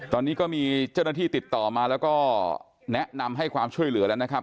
ตอนนี้ก็มีเจ้าหน้าที่ติดต่อมาแล้วก็แนะนำให้ความช่วยเหลือแล้วนะครับ